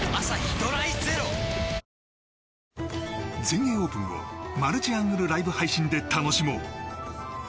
全英オープンをマルチアングルライブ配信で楽しもう。